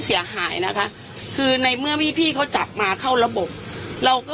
พี่ก็พูดแค่นี้ไม่ได้อะไรมาก